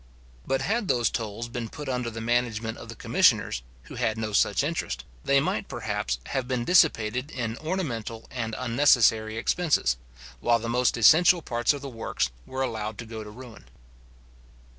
But had those tolls been put under the management of commissioners, who had no such interest, they might perhaps, have been dissipated in ornamental and unnecessary expenses, while the most essential parts of the works were allowed to go to ruin.